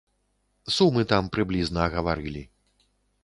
Сумы там прыблізна агаварылі.